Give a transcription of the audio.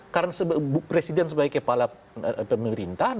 karena presiden sebagai kepala pemerintah